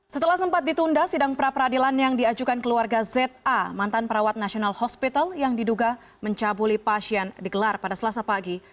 setelah sempat ditunda sidang pra peradilan yang diajukan keluarga za mantan perawat nasional hospital yang diduga mencabuli pasien digelar pada selasa pagi